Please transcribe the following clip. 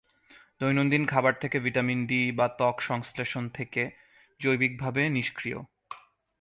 দৈনন্দিন খাবার থেকে ভিটামিন ডি, বা ত্বক সংশ্লেষণ থেকে, জৈবিকভাবে নিষ্ক্রিয়।